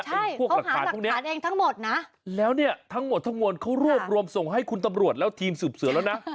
ใช่ผู้ต้องหาหลักฐานเองทั้งหมดนะแล้วเนี่ยทั้งหมดทั้งมวลเขารวบรวมส่งให้คุณตำรวจแล้วทีมสืบสวนแล้วนะ